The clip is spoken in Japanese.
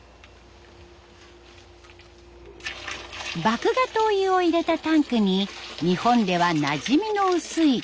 麦芽とお湯を入れたタンクに日本ではなじみの薄いキヌア。